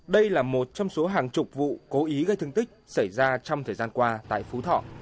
đây là một trong số hàng chục vụ cố ý gây thương tích xảy ra trong thời gian qua tại phú thọ